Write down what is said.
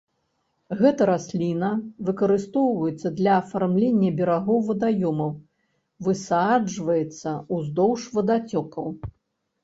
Гэта расліна выкарыстоўваецца для афармлення берагоў вадаёмаў, высаджваецца ўздоўж вадацёкаў.